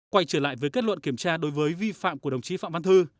quay trở lại với kết luận kiểm tra đối với vi phạm của đồng chí phạm văn thư